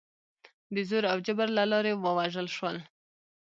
د زور او جبر له لارې ووژل شول.